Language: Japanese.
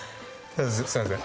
すみません。